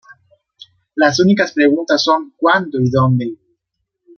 Las únicas preguntas son cuándo y dónde".